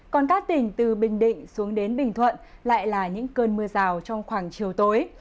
còn các tỉnh từ bình định xuống đến bình thuận lại là những cơn mưa rào trong khoảng chiều tối